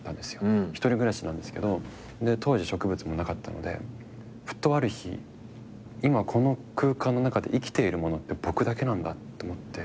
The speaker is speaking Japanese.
１人暮らしなんですけど当時植物もなかったのでふとある日今この空間の中で生きているものって僕だけなんだと思って。